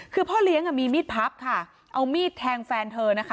คือพ่อเลี้ยงมีมีดพับค่ะเอามีดแทงแฟนเธอนะคะ